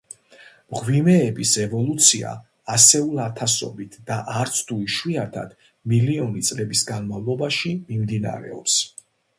მღვიმეების ევოლუცია ასეულ ათასობით და, არც თუ იშვიათად, მილიონი წლების განმავლობაში მიმდინარეობს.